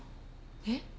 えっ？